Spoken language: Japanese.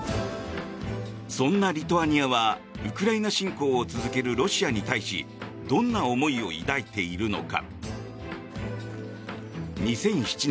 そんなリトアニアはウクライナ侵攻を続けるロシアに対しどんな思いを抱いているのか。